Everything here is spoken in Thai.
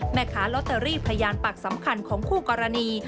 แม่ค้าลอตเตอรี่พยานปากสำคัญของคู่กรณี